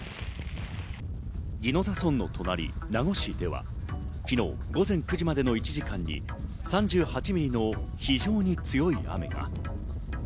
宜野座村の隣、名護市では昨日午前９時までの１時間に３８ミリの非常に強い雨が。